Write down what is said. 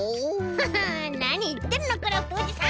ハハなにいってんのクラフトおじさん。